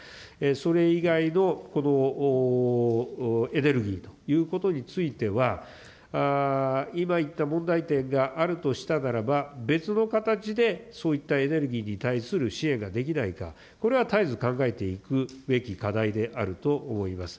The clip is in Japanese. それ以外のこのエネルギーということについては、今言った問題点があるとしたならば、別の形でそういったエネルギーに対する支援ができないか、これは絶えず考えていくべき課題であると思います。